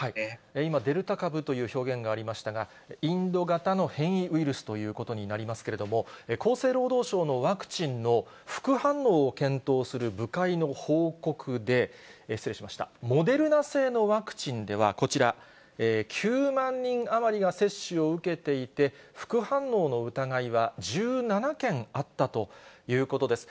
今、デルタ株という表現がありましたが、インド型の変異ウイルスということになりますけれども、厚生労働省のワクチンの副反応を検討する部会の報告で、失礼しました、モデルナ製のワクチンでは、こちら、９万人余りが接種を受けていて、副反応の疑いは１７件あったということです。